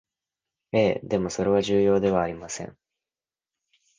ええ、でもそれは重要ではありません